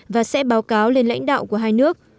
và sẽ báo cáo lên lãnh đạo của hai nước